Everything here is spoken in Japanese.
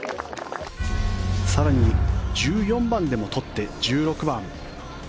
更に、１４番でも取って１６番。